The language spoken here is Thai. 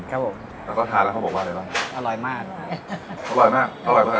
ครับผมแล้วก็ทานแล้วเขาบอกว่าอะไรบ้างอร่อยมากอร่อยมากอร่อยมาก